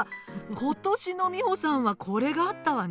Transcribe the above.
今年のミホさんはこれがあったわね。